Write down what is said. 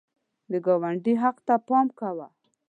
د ګاونډي حق ته پام کوه